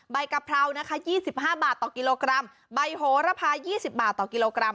ใบกะเพรานะคะยี่สิบห้าบาทต่อกิโลกรัมใบโหระพายี่สิบบาทต่อกิโลกรัม